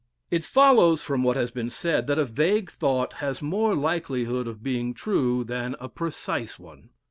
It follows from what has been said that a vague thought has more likelihood of being true than a precise one.